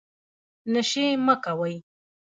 نشې مه کوئ